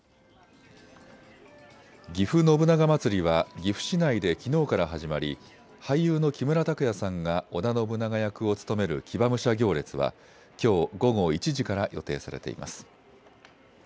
ぎふ信長まつりは岐阜市内できのうから始まり、俳優の木村拓哉さんが織田信長役を務める騎馬武者行列はきょう午後１時から予定されています。